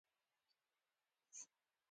ډېر مهربان وو.